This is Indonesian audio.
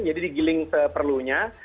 jadi digiling seperlunya